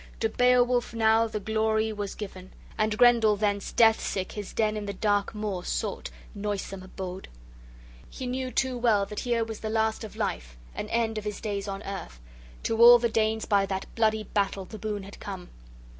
To Beowulf now the glory was given, and Grendel thence death sick his den in the dark moor sought, noisome abode: he knew too well that here was the last of life, an end of his days on earth. To all the Danes by that bloody battle the boon had come.